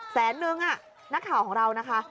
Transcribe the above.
แสนนึงนักข่าวของเรานะคะ